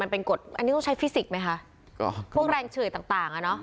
อันนี้ต้องใช้ฟิสิกส์ไหมคะแรงเฉื่อยต่าง